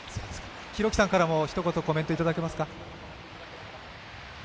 ヒロキさんからもひと言コメントいただけますか。